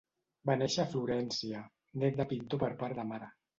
Va néixer a Florència, nét de pintor per part de mare.